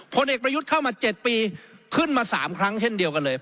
ผลเอกประยุทธ์เข้ามา๗ปีขึ้นมา๓ครั้งเช่นเดียวกันเลย